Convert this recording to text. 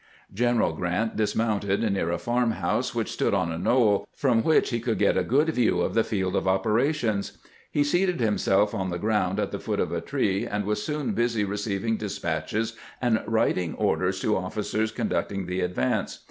General Grant dismounted near a farm house which stood on a knoll, from which he could get a good view of the field of operations. He seated himself on the ground at the foot of a tree, and was soon busy receiv ing despatches and writing orders to of&cers conducting the advance.